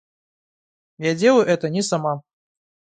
Я делаю это не сама...